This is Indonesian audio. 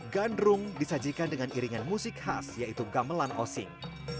gandrung disajikan dengan iringan musik khas yaitu gamelan osing